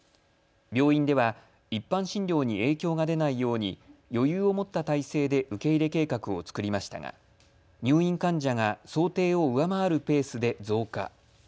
病院では一般診療に影響が出ないように余裕を持った態勢で受け入れ計画を作りましたが入院患者が想定を上回るペースで増加。